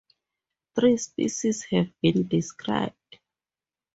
Three species have been described.